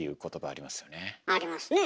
ありますねえ。